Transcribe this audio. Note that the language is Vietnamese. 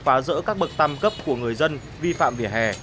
phá rỡ các bậc tam cấp của người dân vi phạm vỉa hè